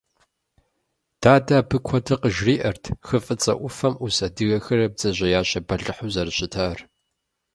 Дадэ абы куэдрэ къыжриӀэрт Хы фӀыцӀэ Ӏуфэм Ӏус адыгэхэр бдзэжьеящэ бэлыхьу зэрыщытар.